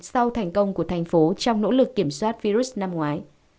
sau thành công của thành phố trong nỗ lực kiểm soát virus năm ngoái